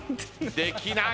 できない。